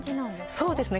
そうですね。